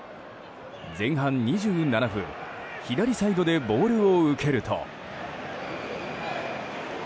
前半２７分左サイドでボールを受けると。